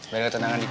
biar dia tenang dikit